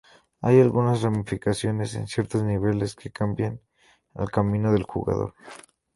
Hay algunas ramificaciones en ciertos niveles, que cambian el camino del jugador.